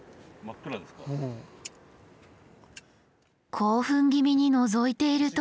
興奮気味にのぞいていると。